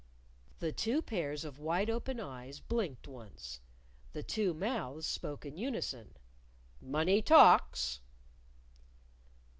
The two pairs of wide open eyes blinked once. The two mouths spoke in unison: "Money talks."